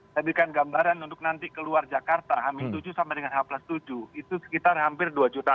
saya berikan gambaran untuk nanti keluar jakarta h tujuh sampai dengan h tujuh itu sekitar hampir dua lima ratus